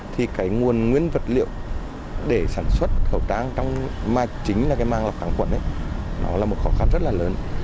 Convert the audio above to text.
thì cái nguồn nguyên vật liệu để sản xuất khẩu trang trong mà chính là cái mang lọc kháng khuẩn ấy nó là một khó khăn rất là lớn